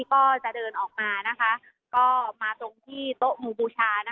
ก็จะเดินออกมานะคะก็มาตรงที่โต๊ะหมู่บูชา